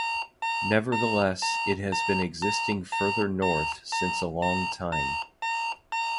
Nevertheless, it has been existing further north since a long time.